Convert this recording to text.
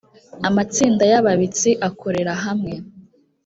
amatsinda yababitsi akorerahamwe.